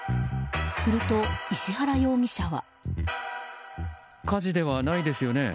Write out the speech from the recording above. すると石原容疑者は。